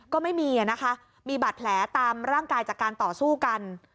ก็ไม่มีนะคะมีบาดแผลตามร่างกายจากการต่อสู้กัน